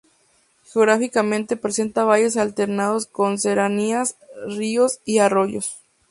Geográficamente presenta valles alternados con serranías, ríos y arroyos.